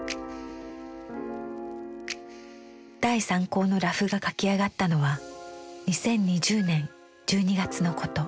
第３稿のラフが描き上がったのは２０２０年１２月のこと。